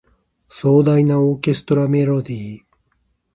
壮大なオーケストラメロディ